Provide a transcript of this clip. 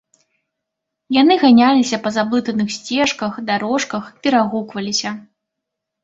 Яны ганяліся па заблытаных сцежках, дарожках, перагукваліся.